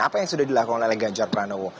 apa yang sudah dilakukan oleh ganjar pranowo